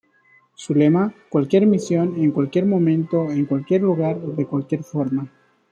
Su lema; "Cualquier misión, en cualquier momento, en cualquier lugar, de cualquier forma".